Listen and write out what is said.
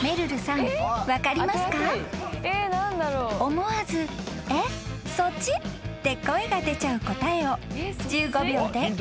［思わず「えっ？そっち？」って声が出ちゃう答えを１５秒でお答えください］